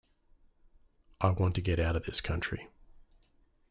I want to get out of this country.